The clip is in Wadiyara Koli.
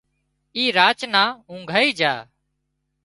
اي راچ نان اونگھائي جھا